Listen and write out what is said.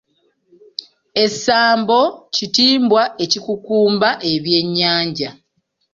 Essambo kitimbwa ekikukumba ebyennyanja.